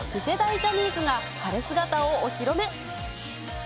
ジャニーズが晴れ姿をお披露目。